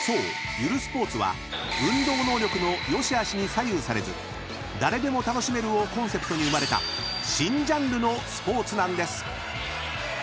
ゆるスポーツは運動能力の良しあしに左右されず誰でも楽しめるをコンセプトに生まれた新ジャンルのスポーツなんです］